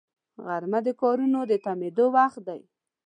غرمه د کارونو د تمېدو وخت وي